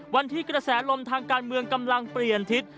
กระแสลมทางการเมืองกำลังเปลี่ยนทิศ